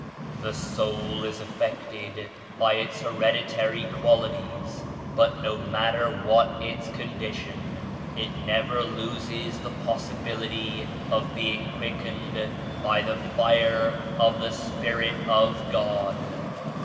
The soul is affected by its hereditary qualities, but no matter what its con «2 dition, it never loses the possibility of being quickened by the Fire of the Spirit of God.